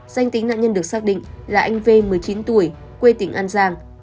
danh tính nạn nhân được xác định là anh v một mươi chín tuổi quê tỉnh an giang